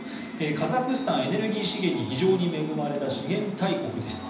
カザフスタンはエネルギー資源に非常に恵まれた資源大国です。